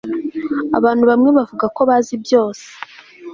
abantu bamwe bavuga ko bazi byose